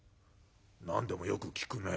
「何でもよく聞くねぇ。